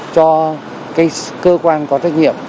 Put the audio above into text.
cho cơ quan có trách nhiệm